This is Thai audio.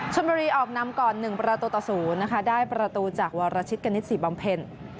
ชมบลีออกนำก่อน๑ประตูต่อศูนย์ได้ประตูจากวรชิตเกณฑ์สี่บำเพ็ญ